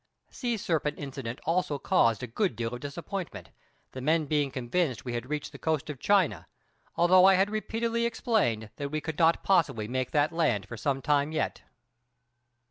Sea serpent incident also caused a good deal of disappointment, the men being convinced we had reached the coast of China, although I had repeatedly explained that we could not possibly make that land for some time yet.